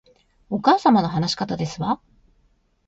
お母様の話し方ですわ